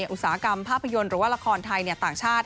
อุตสาหกรรมภาพยนตร์หรือว่าละครไทยต่างชาติ